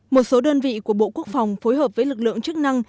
một số đơn vị của bộ quốc phòng phối hợp với lực lượng chức năng